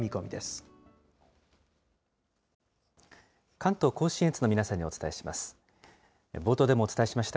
関東甲信越の皆さんにお伝えします。